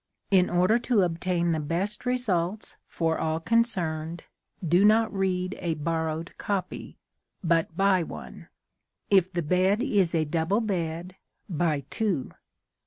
In order to obtain the best results for all concerned do not read a borrowed copy, but buy one. If the bed is a double bed, buy two.